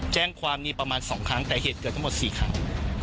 แจ้งความนี้ประมาณ๒ครั้งแต่เหตุเกิดทั้งหมด๔ครั้ง